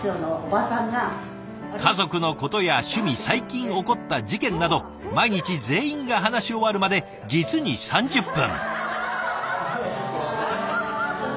家族のことや趣味最近起こった事件など毎日全員が話し終わるまで実に３０分。